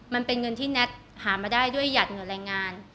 มันเป็นเงินที่แน็ตหามาได้ด้วยหยัดเงินแรงงาน